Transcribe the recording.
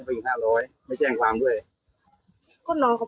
ไม่อยากจัดการนะครับ